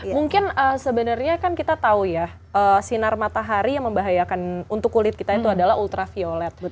mungkin sebenarnya kan kita tahu ya sinar matahari yang membahayakan untuk kulit kita itu adalah ultraviolet